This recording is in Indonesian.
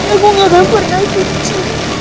aku gak pernah benci